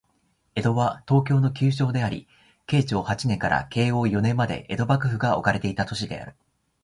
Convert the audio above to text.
江戸は、東京の旧称であり、慶長八年から慶応四年まで江戸幕府が置かれていた都市である